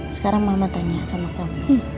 sekarang mama tanya sama kami